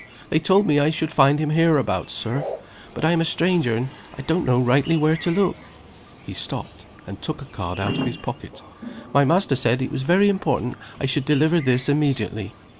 "They told me I should find him hereabouts, Sir. But I'm a stranger, and don't rightly know where to look." He stopped, and took a card out of his pocket. "My master said it was very important I should deliver this immediately.